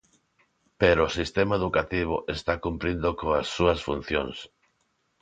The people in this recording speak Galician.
Pero o sistema educativo está cumprindo coas súas funcións.